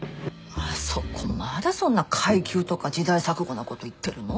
あそこまだそんな階級とか時代錯誤なこと言ってるの？